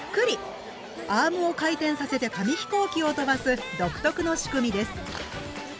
アームを回転させて紙飛行機を飛ばす独特の仕組みです。